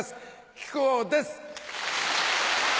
木久扇です！